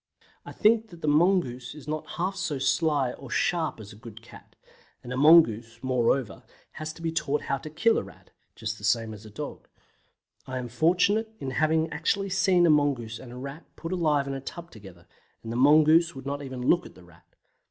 I think that the mongoose is not half so sly or sharp as a good cat, and a mongoose, moreover, has to be taught how to kill a Rat (just the same as a dog). I am fortunate in having actually seen a mongoose and a Rat put alive in a tub together, and the mongoose would not even look at the Rat.